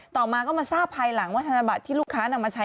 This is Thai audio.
ต่อมาก็มาทราบภายหลังว่าธนบัตรที่ลูกค้านำมาใช้